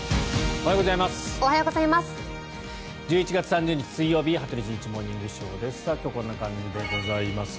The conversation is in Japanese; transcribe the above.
おはようございます。